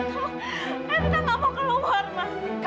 sekarang saatnya kamu keluar dari rumah ini ya